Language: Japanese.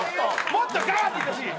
もっとガーッていってほしい。